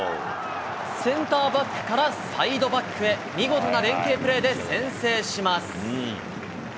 センターバックからサイドバックへ、見事な連係プレーで先制します。